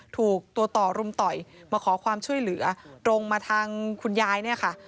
ถูกตัวต่อรุมต่อยมาขอความช่วยเหลือตรงมาทางคุณยายเนี่ยค่ะ